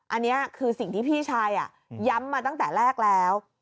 อันนี้คือสิ่งที่พี่ชายย้ำมาตั้งแต่แรกแล้ว